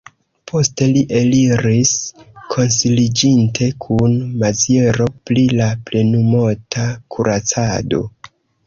Poste li eliris, konsiliĝinte kun Maziero pri la plenumota kuracado.